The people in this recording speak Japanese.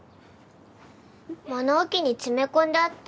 物置に詰め込んであった。